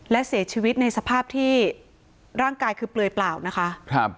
และเสียชีวิตในสภาพที่ร่างกายคือเปลือยเปล่านะคะครับ